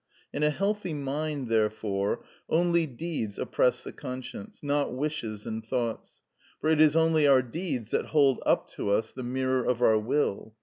In a healthy mind, therefore, only deeds oppress the conscience, not wishes and thoughts; for it is only our deeds that hold up to us the mirror of our will.